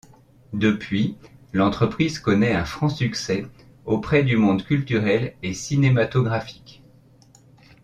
Depuis, l'entreprise connaît un franc succès auprès du monde culturel et cinématographique.